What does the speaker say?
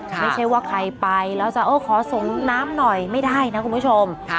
ไม่ใช่ว่าใครไปแล้วจะขอส่งน้ำหน่อยไม่ได้นะคุณผู้ชม